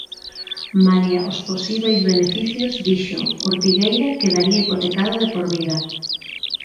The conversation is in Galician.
Malia os posíbeis beneficios, dixo, "Ortigueira quedaría hipotecado de por vida".